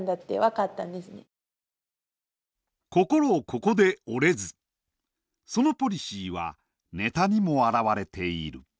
ここで折れずそのポリシーはネタにも表れている。